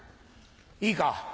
いいか？